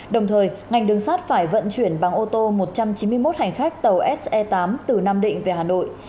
đồng thời ngành đường sát phải vận chuyển bằng ô tô một trăm chín mươi một hành khách tàu se tám từ nam định về hà nội